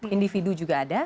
individu juga ada